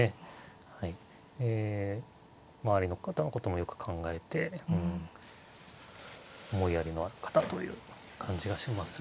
え周りの方のこともよく考えて思いやりのある方という感じがします。